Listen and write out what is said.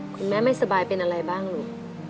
คุณแม่ไม่สบายเป็นอะไรบ้างลูก